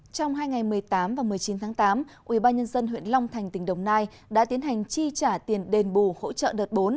trong hai ngày một mươi tám và một mươi chín tháng tám ubnd huyện long thành tỉnh đồng nai đã tiến hành chi trả tiền đền bù hỗ trợ đợt bốn